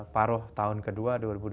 paruh tahun kedua dua ribu dua puluh